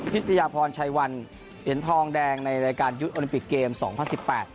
พิชยาพรชัยวันเหรียญทองแดงในรายการยุทธ์โอลิมปิกเกมสองพันสิบแปด